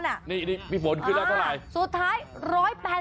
นี่มีฝนขึ้นแล้วเท่าไหร่